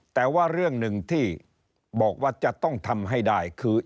แต่ว่าเรื่องหนึ่งที่บอกว่าจะต้องทำให้ได้คือ